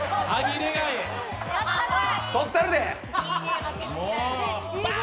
取ったるで！